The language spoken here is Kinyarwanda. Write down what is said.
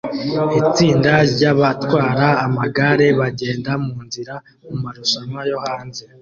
Itsinda ryabatwara amagare bagenda munzira mumarushanwa yo hanze